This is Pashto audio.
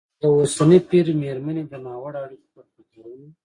د اوسني پېر مېرمنې د ناوړه اړیکو پر خطرونو